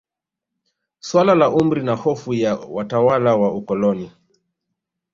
Suala la umri na hofu ya watawala wa ukoloni